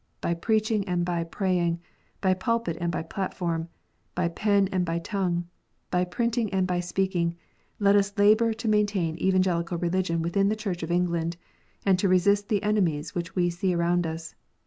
By preaching and by praying, by pulpit and by platform, by pen and by tongue, by printing and by speaking, let us labour to maintain Evangelical Religion within the Church of England, and to resist the enemies which we see around us.